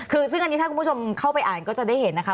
คือซึ่งอันนี้ถ้าคุณผู้ชมเข้าไปอ่านก็จะได้เห็นนะคะ